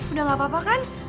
udah gak apa apa kan